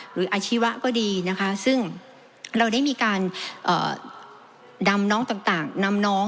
หรืออาชีวะก็ดีซึ่งเราได้มีการนำน้องต่าง